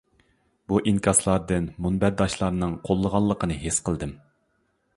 بۇ ئىنكاسلاردىن مۇنبەرداشلارنىڭ قوللىغانلىقىنى ھېس قىلدىم.